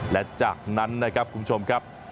และจากนั้นนะครับคุณผู้ชมครับ